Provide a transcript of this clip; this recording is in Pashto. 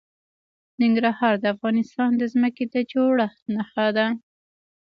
ننګرهار د افغانستان د ځمکې د جوړښت نښه ده.